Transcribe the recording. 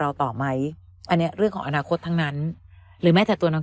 ต่อไหมอันนี้เรื่องของอนาคตทั้งนั้นหรือแม้แต่ตัวน้อง